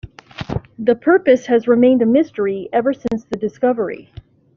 The purpose has remained a mystery ever since the discovery.